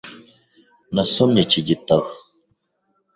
Nasomye iki gitabo .